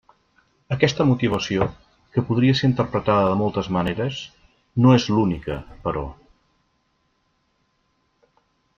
Aquesta motivació, que podria ser interpretada de moltes maneres, no és l'única, però.